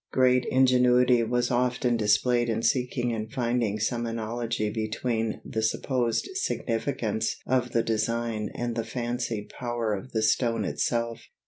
Great ingenuity was often displayed in seeking and finding some analogy between the supposed significance of the design and the fancied power of the stone itself.